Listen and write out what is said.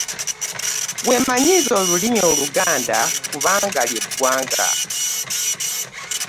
Weemanyiize olulimi oluganda kubanga ly'eggwanga.